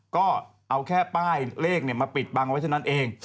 ก็เอาแค่ป้ายเลขมาปิดบังไว้เท่านั้นเอง